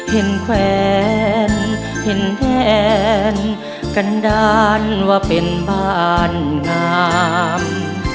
แขวนเห็นแทนกันด้านว่าเป็นบ้านงาม